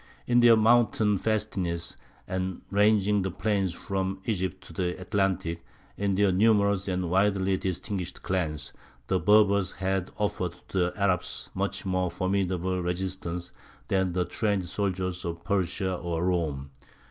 In their mountain fastnesses, and ranging the plains from Egypt to the Atlantic, in their numerous and widely distinguished clans, the Berbers had offered to the Arabs a much more formidable resistance than the trained soldiers of Persia or Rome.